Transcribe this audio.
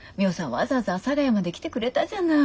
わざわざ阿佐ヶ谷まで来てくれたじゃない。